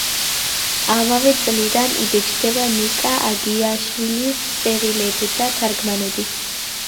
ამავე წლიდან იბეჭდება ნიკა აგიაშვილის წერილები და თარგმანები.